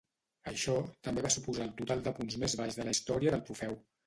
Això també va suposar el total de punts més baix de la història del trofeu.